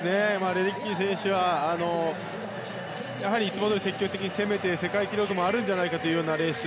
レデッキー選手はやはり、いつもどおり攻めて、世界記録もあるんじゃないかというレース。